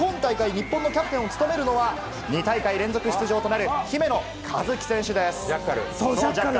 そして、今大会、日本のキャプテンを務めるのは、２大会連続出場となる姫野和樹選手です。